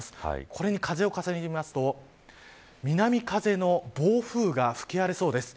これに風を重ねてみると南風の暴風が吹き荒れそうです。